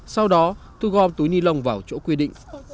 sau đó thu gom túi ni lông vào chỗ quy định